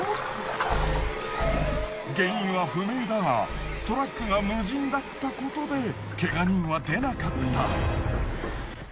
原因は不明だがトラックが無人だったことでケガ人は出なかった。